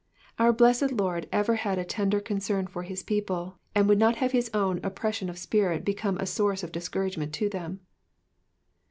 Our blessed Lord ever had a tender concern for his people, and would not have his own oppression of spirit become a source of discouragement to them.